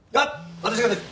私が出る。